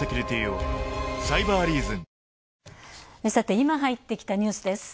今入ってきたニュースです。